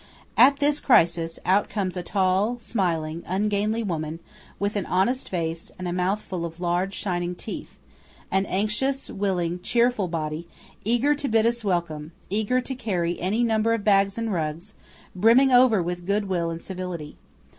At this crisis, out comes a tall, smiling, ungainly woman, with an honest face and a mouth full of large, shining teeth–an anxious, willing, cheerful body, eager to bid us welcome; eager to carry any number of bags and rugs; brimming over with good will and civility.